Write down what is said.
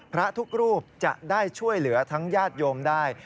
พระทุกรูปจะได้ช่วยเหลือทั้งญาติโยมได้